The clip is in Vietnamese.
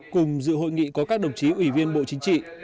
cùng dự hội nghị có các đồng chí ủy viên bộ chính trị